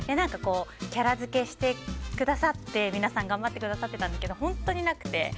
キャラ付けしてくださって皆さん頑張ってくださってたんですけど本当になくて。